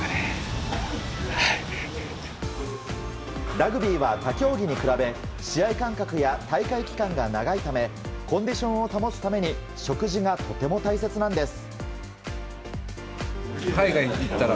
ラグビー他競技に比べ試合感覚や大会期間が長いためコンディションを保つために食事がとても大切なんです。